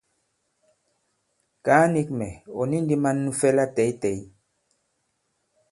Kàa nīk mɛ̀: ɔ̀ ni ndī man nu fɛ latɛ̂ytɛ̌y?